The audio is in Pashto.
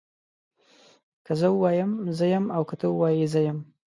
که زه ووایم زه يم او که ته ووايي زه يم